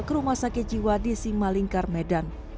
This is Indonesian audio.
ke rumah sakit jiwa di simalingkar medan